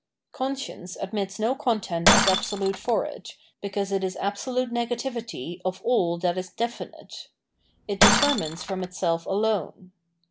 Conscience admits no content as absolute for it, be cause it is absolute negativity of aU that is definite. It determines from itself alone.